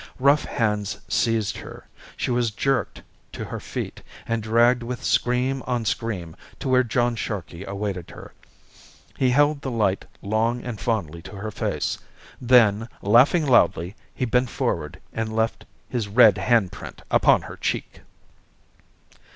Rough hands seized her, she was jerked to her feet, and dragged with scream on scream to where John Sharkey awaited her. He held the light long and fondly to her face, then, laughing loudly, he bent forward and left his red hand print upon her cheek.